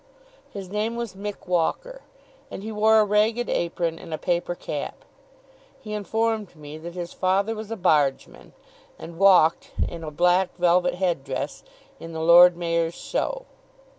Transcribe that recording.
His name was Mick Walker, and he wore a ragged apron and a paper cap. He informed me that his father was a bargeman, and walked, in a black velvet head dress, in the Lord Mayor's Show.